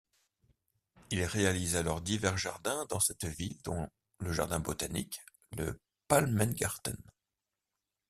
Il réalise alors divers jardins dans cette ville dont le jardin botanique, le Palmengarten.